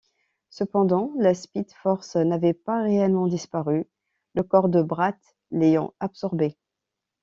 Cependant, la Speed Force n'avait pas réellement disparu, le corps de Bart l'ayant absorbé.